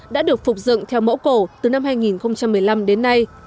đã được phục dựng theo mẫu cổ từ năm hai nghìn một mươi năm đến nay